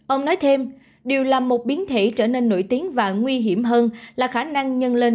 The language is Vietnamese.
ông nói thêm điều là một biến thể trở nên nổi tiếng và nguy hiểm hơn là khả năng nhân lên